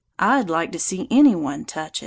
I'd like to see any one touch it."